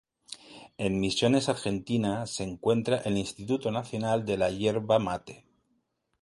En Misiones Argentina se encuentra el Instituto Nacional de la Yerba Mate.